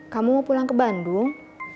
kamu mau pulang ke bandung